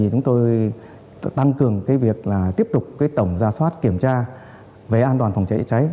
chúng tôi tăng cường việc tiếp tục tổng ra soát kiểm tra về an toàn phòng cháy chữa cháy